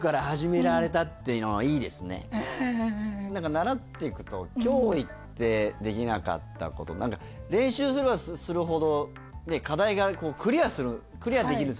習って行くと今日行ってできなかったこと練習すればするほど課題がクリアできるんですよね。